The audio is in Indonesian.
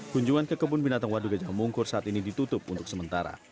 gunjungan ke kebun binatang wadu gejah mungkur saat ini ditutup untuk sementara